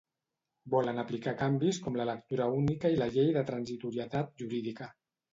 Volen aplicar canvis com la lectura única i la llei de transitorietat jurídica.